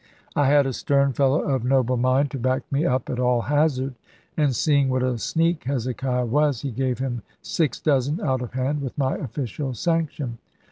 I had a stern fellow of noble mind to back me up at all hazard, and seeing what a sneak Hezekiah was, he gave him six dozen out of hand, with my official sanction.